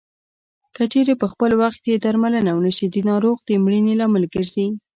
که چېرې پر خپل وخت یې درملنه ونشي د ناروغ د مړینې لامل ګرځي.